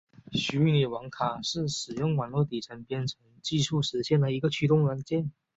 虚拟网卡是使用网络底层编程技术实现的一个驱动软件。